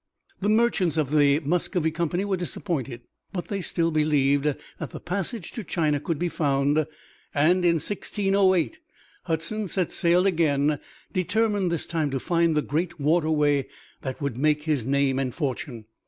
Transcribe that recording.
The merchants of the Muscovy Company were disappointed, but they still believed that the passage to China could be found, and in 1608 Hudson set sail again, determined this time to find the great waterway that would make his name and fortune.